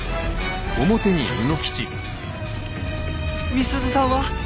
美鈴さんは？